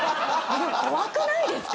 怖くないですか。